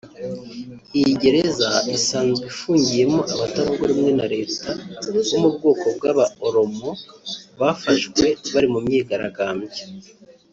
Iyi gereza isanzwe ifungiyemo abatavuga rumwe na Leta bo mu bwoko bw’aba Oromo bafashwe bari mu myigaragambyo